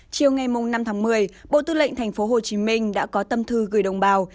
chiều ngày năm tháng một mươi bộ tư lệnh thành phố hồ chí minh đã có tâm thư gửi đồng bào